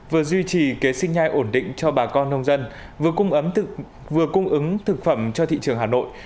vừa duy trì kế sinh nhai ổn định cho bà con nông dân vừa cung vừa cung ứng thực phẩm cho thị trường hà nội